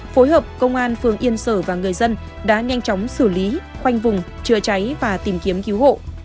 phối hợp công an phường yên sở và người dân đã nhanh chóng xử lý khoanh vùng chữa cháy và tìm kiếm cứu hộ